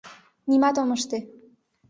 — Нимат ом ыште.